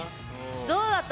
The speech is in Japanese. どうだった？